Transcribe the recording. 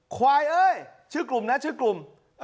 ควายเอ้ยชื่อกลุ่มนะชื่อกลุ่ม